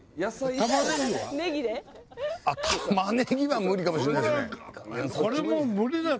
タマネギは無理かもしれないですね